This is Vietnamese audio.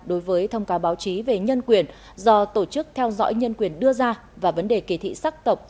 đối với thông cáo báo chí về nhân quyền do tổ chức theo dõi nhân quyền đưa ra và vấn đề kỳ thị sắc tộc